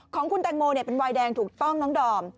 ของคุณแตงโมเป็นวายแดงถูกต้องน้องดอม